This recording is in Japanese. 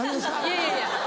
いやいやいや。